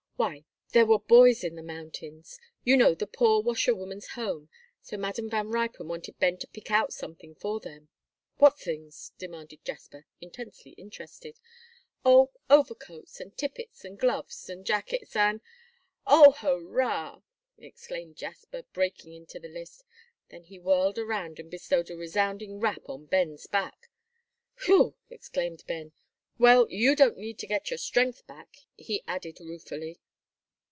"Why, there were boys in the mountains, you know, the poor washerwoman's home, so Madam Van Ruypen wanted Ben to pick out some things for them." "What things?" demanded Jasper, intensely interested. "Oh, overcoats and tippets and gloves and jackets and " "Oh, hurrah!" exclaimed Jasper, breaking into the list. Then he whirled around and bestowed a resounding rap on Ben's back. "Whew!" exclaimed Ben. "Well, you don't need to get your strength back," he added ruefully.